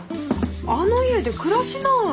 あの家で暮らしない。